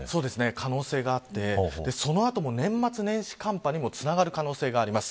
可能性があってその後も年末年始寒波につながる可能性があります。